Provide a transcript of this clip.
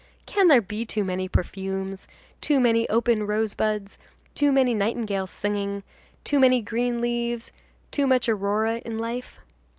Can there be too many perfumes, too many open rose buds, too many nightingales singing, too many green leaves, too much aurora in life?